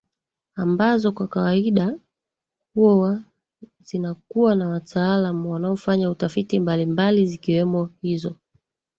ambazo kwa kawaida huwa zinakuwa na wataalam wanaofanya utafiti mbali mbali zikiwemo hizo